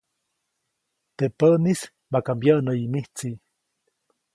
Teʼ päʼnis maka mbyäʼnäyi mijtsi.